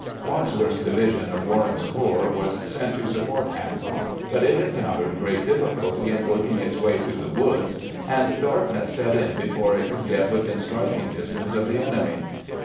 "Wadsworth's division of Warren's corps was sent to support Hancock ; but it encountered great difficulty in working its way through the woods, and darkness set in before it could get within striking distance of the enemy.